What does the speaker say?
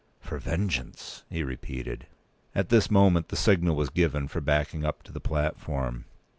"For vengeance!" he repeated. At this moment the signal was given for backing up to the platform.